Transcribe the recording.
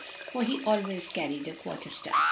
(For he always carried a quarterstaff.)